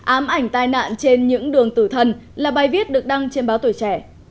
ám ảnh tai nạn trên những đường tử thần là bài viết được đăng trên báo tuổi trẻ